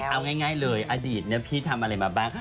เอาง่ายเลยอดีตพี่ทำอะไรมาบ้าง